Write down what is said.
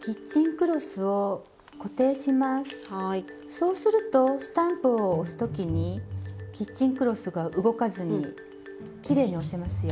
そうするとスタンプを押す時にキッチンクロスが動かずにきれいに押せますよ。